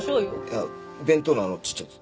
いや弁当のちっちゃいやつ。